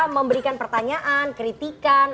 memberikan pertanyaan kritikan